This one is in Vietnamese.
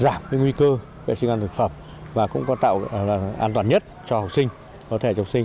giải pháp về nguy cơ vệ sinh an toàn thực phẩm và cũng có tạo an toàn nhất cho học sinh có thể cho học sinh